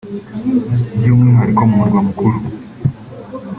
by’umwihariko mu murwa mukuru